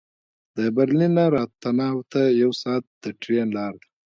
د برلین نه راتناو ته یو ساعت د ټرېن لاره ده